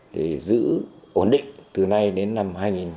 để giữ ổn định từ nay đến năm